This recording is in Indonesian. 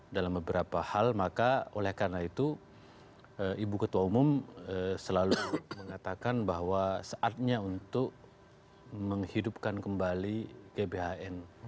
dalam beberapa hal maka oleh karena itu ibu ketua umum selalu mengatakan bahwa saatnya untuk menghidupkan kembali gbhn